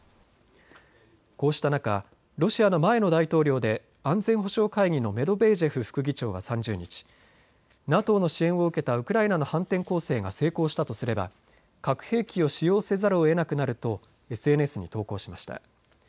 こうした中、ロシアの前の大統領で安全保障会議のメドベージェフ副議長は３０日、ＮＡＴＯの支援を受けたウクライナの反転攻勢が成功したとすれば核兵器を使用せざるをえなくなるとＳＮＳに投稿しました。